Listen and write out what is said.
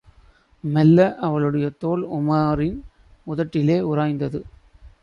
மெல்ல அவளுடைய தோள் உமாரின் உதட்டிலே உராய்ந்தது.